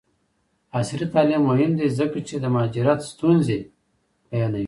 عصري تعلیم مهم دی ځکه چې د مهاجرت ستونزې بیانوي.